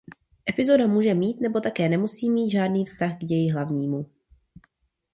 Epizoda může mít nebo také nemusí mít žádný vztah k ději hlavnímu.